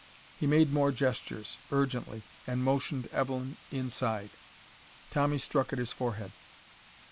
He made more gestures, urgently, and motioned Evelyn inside. Tommy struck at his forehead.